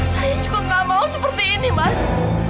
saya cukup gak mau seperti ini mas